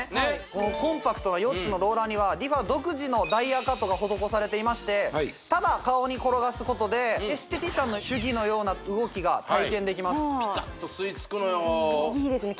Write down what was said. このコンパクトな４つのローラーにはＲｅＦａ独自のダイヤカットが施されていましてただ顔に転がすことでエステティシャンの手技のような動きが体験できますピタッと吸いつくのよいいですね